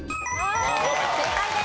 正解です。